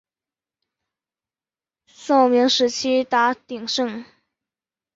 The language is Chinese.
宋明时期达鼎盛。